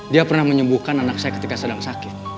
dia pernah menyembuhkan anak saya ketika sedang sakit